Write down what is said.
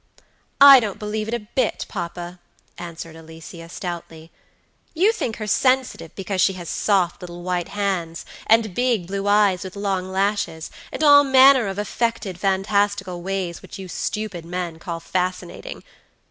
"I don't believe it a bit, papa," answered Alicia, stoutly. "You think her sensitive because she has soft little white hands, and big blue eyes with long lashes, and all manner of affected, fantastical ways, which you stupid men call fascinating.